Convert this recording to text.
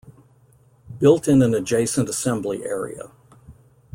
Built in an adjacent assembly area.